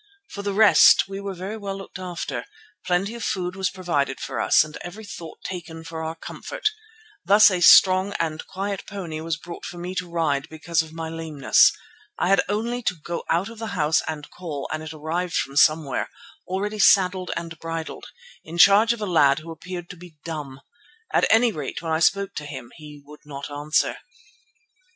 For the rest we were very well looked after. Plenty of food was provided for us and every thought taken for our comfort. Thus a strong and quiet pony was brought for me to ride because of my lameness. I had only to go out of the house and call and it arrived from somewhere, all ready saddled and bridled, in charge of a lad who appeared to be dumb. At any rate when I spoke to him he would not answer.